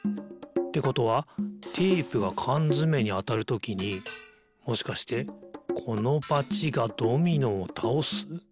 ってことはテープがかんづめにあたるときにもしかしてこのバチがドミノをたおす？